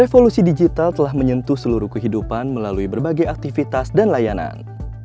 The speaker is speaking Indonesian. revolusi digital telah menyentuh seluruh kehidupan melalui berbagai aktivitas dan layanan